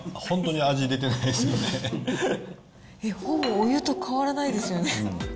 なんか、ほぼお湯と変わらないですよね。